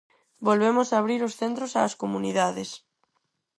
Volvemos abrir os centros ás comunidades.